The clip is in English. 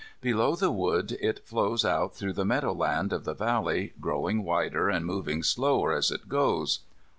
Below the wood it flows out through the meadowland of the valley, growing wider, and moving slower as it goes.